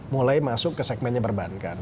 mulai masuk ke segmen yang berbankan